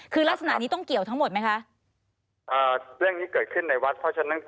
คือลักษณะนี้ต้องเกี่ยวทั้งหมดไหมคะอ่าเรื่องนี้เกิดขึ้นในวัดเพราะฉะนั้น